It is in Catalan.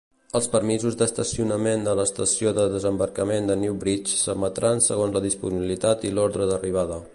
Els permisos d'estacionament de l'estació de desembarcament de New Bridge, s'emetran segons la disponibilitat i l'ordre d'arribada.